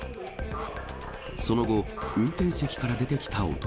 その後、運転席から出てきた男。